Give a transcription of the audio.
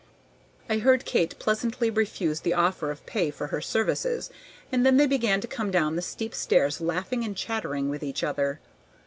I heard Kate pleasantly refuse the offer of pay for her services, and then they began to come down the steep stairs laughing and chattering with each other.